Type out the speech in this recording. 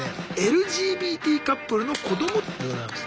「ＬＧＢＴカップルの子ども」でございます。